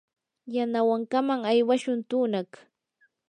yanawankaman aywashun tunaq.